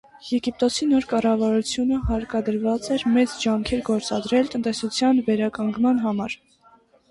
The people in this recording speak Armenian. Եգիպտոսի նոր կառավարությունը հարկադրված էր մեծ ջանքեր գործադրել տնտեսության վերականգնման համար։